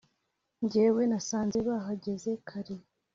njewe nasanze bahageze kare